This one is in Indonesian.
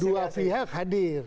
dua pihak hadir